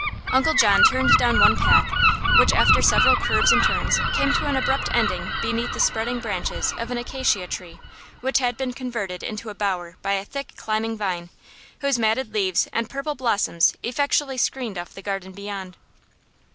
Uncle John turned down one path which, after several curves and turns, came to an abrupt ending beneath the spreading branches of an acacia tree which had been converted into a bower by a thick, climbing vine, whose matted leaves and purple blossoms effectually screened off the garden beyond.